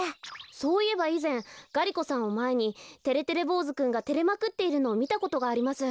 そういえばいぜんがり子さんをまえにてれてれぼうずくんがてれまくっているのをみたことがあります。